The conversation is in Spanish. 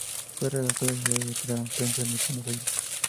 Fue redactor del diario La Prensa, en Buenos Aires.